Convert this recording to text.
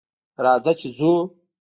راځه چې ځو